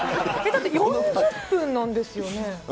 だって４０分なんですよね。